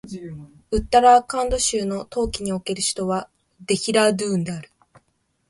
ウッタラーカンド州の冬季における州都はデヘラードゥーンである